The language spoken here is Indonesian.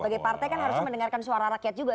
sebagai partai kan harus mendengarkan suara rakyat juga